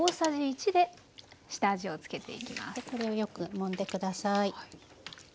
これをよくもんで下さい。